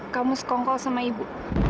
kamu sekongkol sama ibu